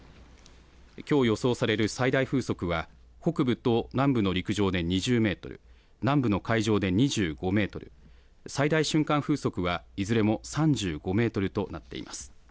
きょう予想される最大風速は北部と南部の陸上で２０メートル、南部の海上で２５メートル、最大瞬間風速はいずれも３５メートルとなっています。